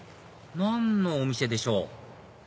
何のお店でしょう？